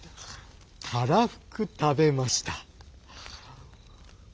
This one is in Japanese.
たらふく食べました。